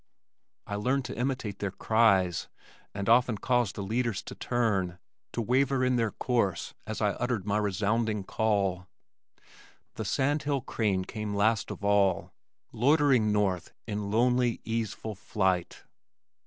I learned to imitate their cries, and often caused the leaders to turn, to waver in their course as I uttered my resounding call. The sand hill crane came last of all, loitering north in lonely easeful flight.